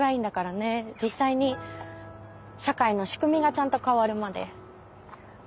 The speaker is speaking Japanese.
実際に社会の仕組みがちゃんと変わるまで。